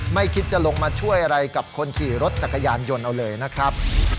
ไม่คิดจะลงมาช่วยอะไรกับคนขี่รถจักรยานยนต์เอาเลยนะครับ